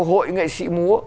hội nghệ sĩ múa